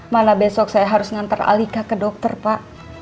malah besok saya harus ngantar alika ke dokter pak